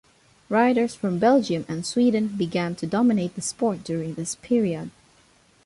Riders from Belgium and Sweden began to dominate the sport during this period.